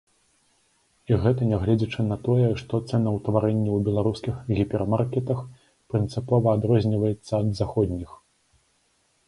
І гэта нягледзячы на тое, што цэнаўтварэнне ў беларускіх гіпермаркетах прынцыпова адрозніваецца ад заходніх.